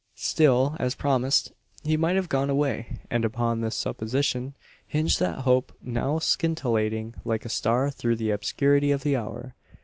Still, as promised, he might have gone away; and upon this supposition hinged that hope, now scintillating like a star through the obscurity of the hour.